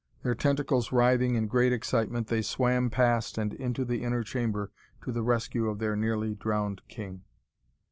Their tentacles writhing in great excitement, they swam past and into the inner chamber to the rescue of their nearly drowned king.